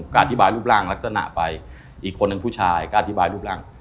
ก็อธิบายรูปร่างลักษณะไปอีกคนหนึ่งผู้ชายก็อธิบายรูปร่าง